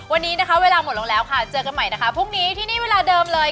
วันนี้นะคะเวลาหมดลงแล้วค่ะเจอกันใหม่นะคะพรุ่งนี้ที่นี่เวลาเดิมเลย